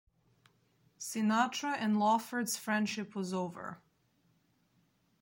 Sinatra and Lawford's friendship was over.